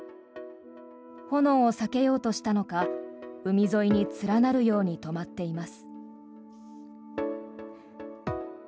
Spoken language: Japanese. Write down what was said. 炎を避けようとしたのか海沿いに連なるように止まっています。